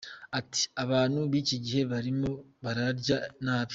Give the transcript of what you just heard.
Ati “ Abantu b’iki gihe barimo bararya nabi.